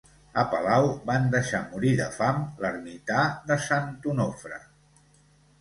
A Palau van deixar morir de fam l'ermità de Sant Onofre.